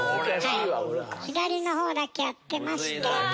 左の方だけ合ってました。